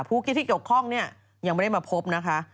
ผู้คิดที่เกี่ยวข้องนี่ยังไม่ได้มาพบนะคะ